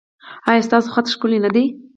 ایا ستاسو خط ښکلی نه دی؟